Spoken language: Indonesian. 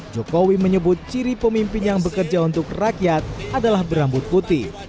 jokowi menyebut ciri pemimpin yang bekerja untuk rakyat adalah berambut putih